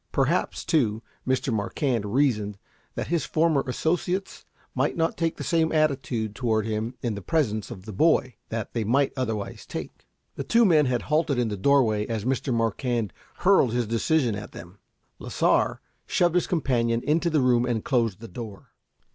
Perhaps, too, Mr. Marquand reasoned that his former associates might not take the same attitude toward him in the presence of the boy that they might otherwise take. The two men had halted in the doorway as Mr. Marquand hurled his decision at them. Lasar shoved his companion into the room and closed the door.